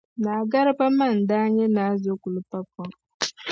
Naa Gariba ma n-daa nyɛ Naa Zokuli Pakpan.